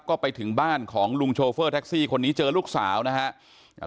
ก็ไปถึงบ้านของลุงโชเฟอร์แท็กซี่คนนี้เจอลูกสาวนะฮะ